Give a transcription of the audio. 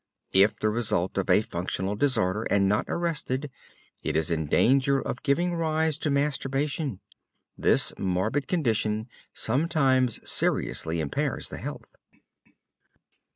If the result of a functional disorder, and not arrested, it is in danger of giving rise to masturbation. This morbid condition sometimes seriously impairs the health.